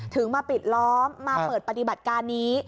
ถึงมาปิดล้อมมาเปิดปฏิบัติการนี้